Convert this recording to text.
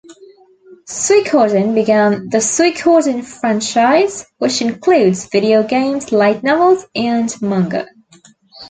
"Suikoden" began the "Suikoden" franchise, which includes video games, light novels, and manga.